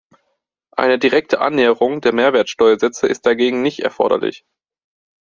Eine direkte Annäherung der Mehrwertsteuersätze ist dagegen nicht erforderlich.